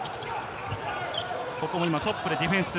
ここも今、トップでディフェンス。